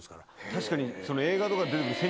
確かに。